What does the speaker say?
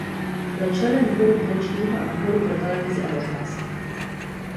Byl členem výboru finančního a výboru pro televizi a rozhlas.